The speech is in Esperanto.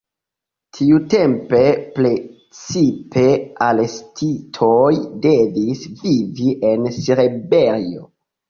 Tiutempe precipe arestitoj devis vivi en Siberio.